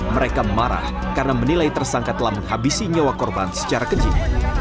mereka marah karena menilai tersangka telah menghabisi nyawa korban secara kejin